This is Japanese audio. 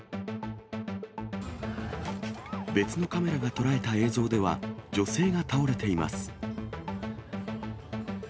別のカメラが捉えた映像では、女性が倒れています。